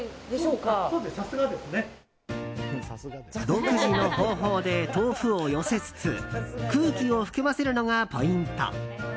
独自の方法で豆腐を寄せつつ空気を含ませるのがポイント。